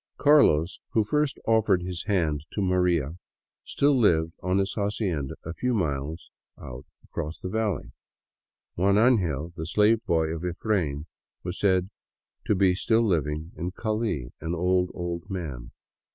" Carlos," who first offered his hand to " Maria," still lived on his hacienda a few miles out across the valley. " Juan Angel," the slave boy of " Efrain," was said to be still living in Cali, an old, old man.